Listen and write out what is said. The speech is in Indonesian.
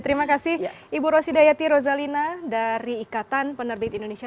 terima kasih ibu roshidayati rozalina dari ikatan penerbit indonesia